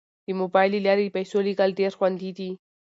د موبایل له لارې د پيسو لیږل ډیر خوندي دي.